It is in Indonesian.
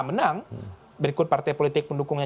menang berikut partai politik pendukungnya